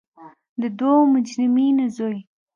د دوو مجرمینو زوی.